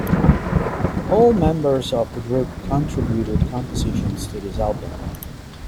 All members of the group contributed compositions to this album.